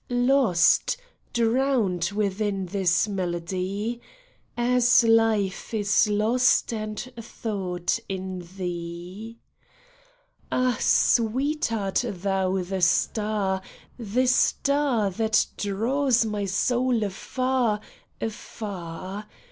Lost, drowned within this melody, As Hfe is lost and thought in thee. Ah, sweet, art thou the star, the star That draws my soul afar, afar ?